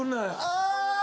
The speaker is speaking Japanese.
ああ！